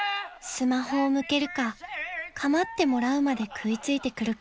［スマホを向けるか構ってもらうまで食い付いてくるか］